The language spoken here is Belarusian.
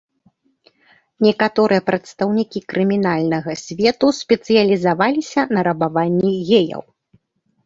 Некаторыя прадстаўнікі крымінальнага свету спецыялізаваліся на рабаванні геяў.